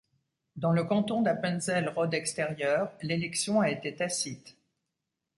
Dans le canton d'Appenzell Rhodes-Extérieures, l'élection a été tacite.